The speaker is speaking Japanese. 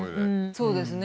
そうですね。